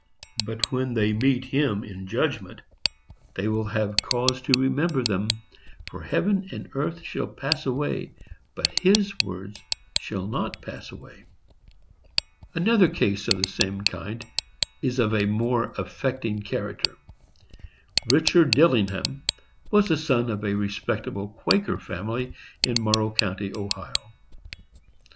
But when they meet Him in judgment they will have cause to remember them; for heaven and earth shall pass away, but His word shall not pass away. Another case of the same kind is of a more affecting character. Richard Dillingham was the son of a respectable Quaker family in Morrow County, Ohio.